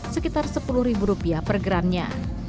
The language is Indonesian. sekitar sepuluh ribu rupiah per gramnya